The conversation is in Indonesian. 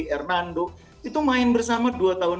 hernando itu main bersama dua tahun